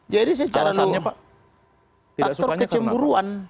jadi secara lalu faktor kecemburuan